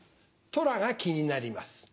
トラが気になります。